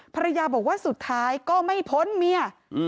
ภรรยาบอกว่าสุดท้ายก็ไม่พ้นเมีย